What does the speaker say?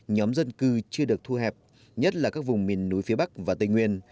nhóm dân cư chưa được thu hẹp nhất là các vùng miền núi phía bắc và tây nguyên